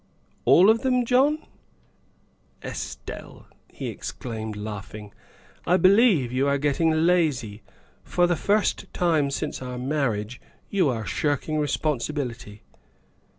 ' 'AU of them, John?" " Estelle," he exclaimed, laughing, " I believe you are getting lazy. For the first time since our marriage you are shirking responsibility."